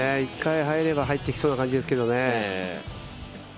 １回入れば、入ってきそうな感じですけどね。